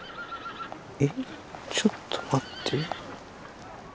えっちょっと待って。